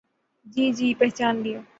جی جی پہچان لیا۔